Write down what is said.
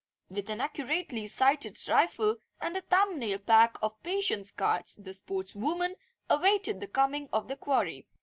With an accurately sighted rifle and a thumbnail pack of patience cards the sportswoman awaited the coming of the quarry.